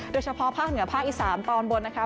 โดยเฉพาะภาคเหนือภาคอีสานตอนบนนะคะ